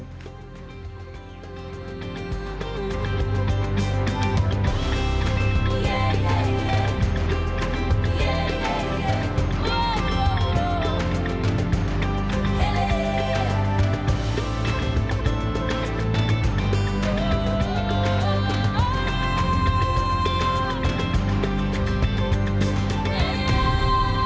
พวกคุณจะทำกันยังไง